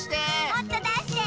もっとだして！